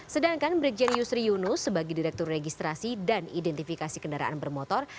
sedangkan brigjen yusri yunus sebagai direktur registrasi dan identifikasi kendaraan bermotor